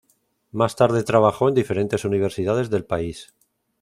Más tarde trabajó en diferentes universidades del país.